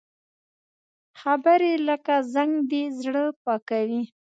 خبرې لکه زنګ دي، زړه پاکوي